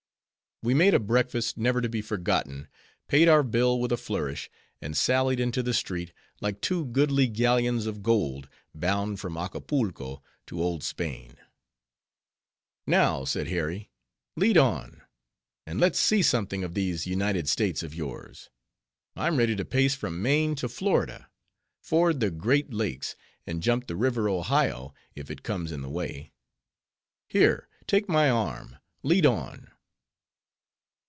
We made a breakfast, never to be forgotten; paid our bill with a flourish, and sallied into the street, like two goodly galleons of gold, bound from Acapulco to Old Spain. "Now," said Harry, "lead on; and let's see something of these United States of yours. I'm ready to pace from Maine to Florida; ford the Great Lakes; and jump the River Ohio, if it comes in the way. Here, take my arm;—lead on."